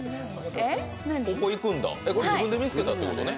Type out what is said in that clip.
これ、自分で見つけたということね。